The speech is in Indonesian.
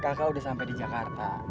kakak udah sampai di jakarta